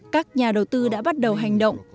các nhà đầu tư đã bắt đầu hành động